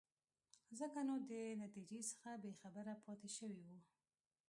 ځکه نو د نتیجې څخه بې خبره پاتې شوی وو.